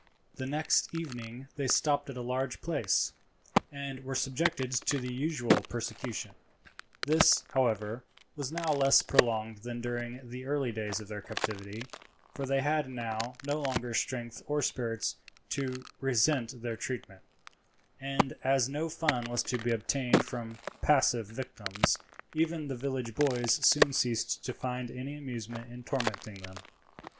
The next evening they stopped at a large place, and were subjected to the usual persecution; this, however, was now less prolonged than during the early days of their captivity, for they had now no longer strength or spirits to resent their treatment, and as no fun was to be obtained from passive victims, even the village boys soon ceased to find any amusement in tormenting them.